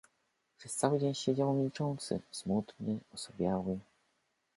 Przez cały dzień siedział milczący, smutny, osowiały.